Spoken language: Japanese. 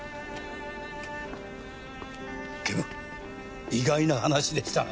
警部意外な話でしたね。